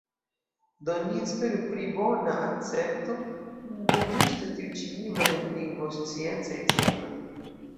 Do ni esperu pri bona akcepto de ĝuste tiu ĉi libro en lingvosciencaj cirkloj.